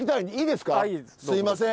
すいません。